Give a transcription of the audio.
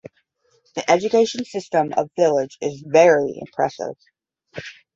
The education system of Village is very impressive.